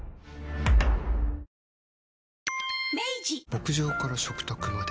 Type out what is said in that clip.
牧場から食卓まで。